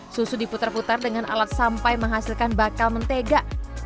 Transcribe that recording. susu diputar putar dengan alat sampai menghasilkan bakal mentega